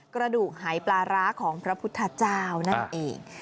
กระดูกหายปลาร้าของพระพุทธเจ้านั่นเอง